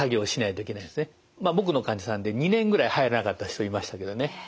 僕の患者さんで２年ぐらい入らなかった人いましたけどね。